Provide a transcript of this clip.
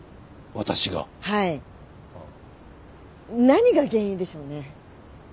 何が原因でしょうね？